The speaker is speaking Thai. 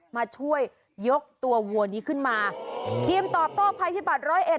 มาช่วยยกตัววัวนี้ขึ้นมาทีมตอบโต้ภัยพิบัตรร้อยเอ็